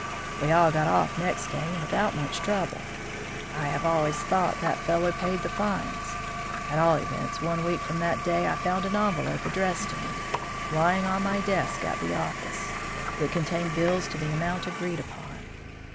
"We all got off next day and without much trouble. I have always thought that fellow paid the fines; at all events, one week from that day I found an envelope addressed to me, lying on my desk at the office. It contained bills to the amount agreed upon.